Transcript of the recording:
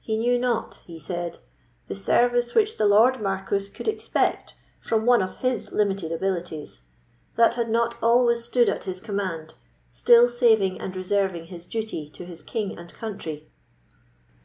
"He knew not," he said, "the service which the Lord Marquis could expect from one of his limited abilities, that had not always stood at his command, still saving and reserving his duty to his king and country."